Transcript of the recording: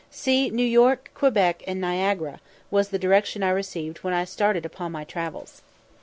"See New York, Quebec, and Niagara," was the direction I received when I started upon my travels.